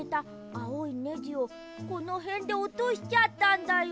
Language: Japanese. ネジをこのへんでおとしちゃったんだよ。